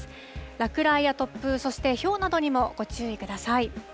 落雷や突風、そしてひょうなどにもご注意ください。